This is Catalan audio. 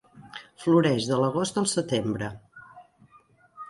Floreix de l'agost al setembre.